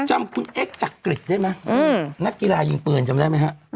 จำคุณเอ็กซจักริตได้ไหมนักกีฬายิงปืนจำได้ไหมฮะ